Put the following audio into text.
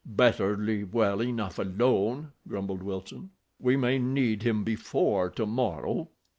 "Better leave well enough alone," grumbled Wilson. "We may need him before tomorrow."